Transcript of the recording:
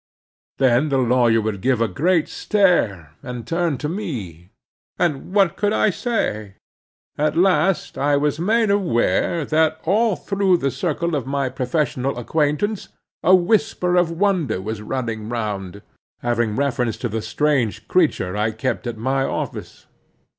Then the lawyer would give a great stare, and turn to me. And what could I say? At last I was made aware that all through the circle of my professional acquaintance, a whisper of wonder was running round, having reference to the strange creature I kept at my office.